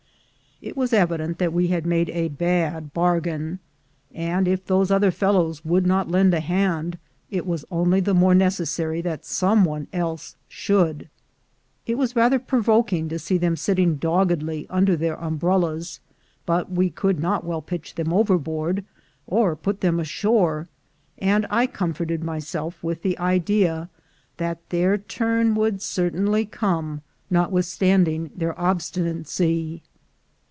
It was evident that we had made a bad bargain, and if these other fellows would not lend a hand, it was only the more necessary that some one else should. It was rather provoking to see them sitting doggedly under their umbrellas, but we could not well pitch them overboard, or put them ashore, and I comforted myself with the idea that their turn would certainly come, notwithstanding their obstinacy.